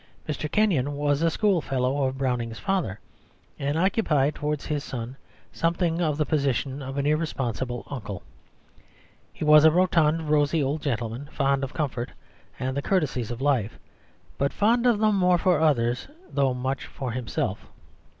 Mr. Kenyon was a schoolfellow of Browning's father, and occupied towards his son something of the position of an irresponsible uncle. He was a rotund, rosy old gentleman, fond of comfort and the courtesies of life, but fond of them more for others, though much for himself.